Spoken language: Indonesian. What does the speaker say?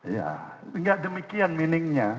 ya nggak demikian meaning nya